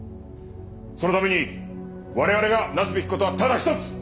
そのために我々がなすべき事はただ一つ。